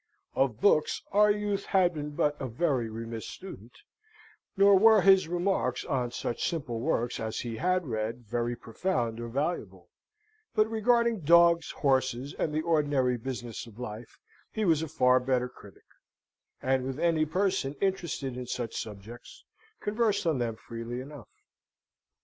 Of books our youth had been but a very remiss student, nor were his remarks on such simple works as he had read, very profound or valuable; but regarding dogs, horses, and the ordinary business of life, he was a far better critic; and, with any person interested in such subjects, conversed on them freely enough.